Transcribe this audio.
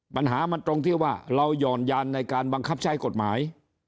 ปัญหามันตรงที่ว่าเราหย่อนยานในการบังคับใช้กฎหมาย